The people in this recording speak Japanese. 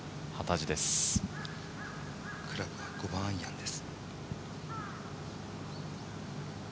クラブは５番アイアンです。